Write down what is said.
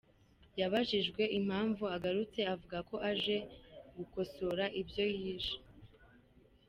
Yabajijwe impamvu agarutse avuga ko aje gukosora ibyo yishe.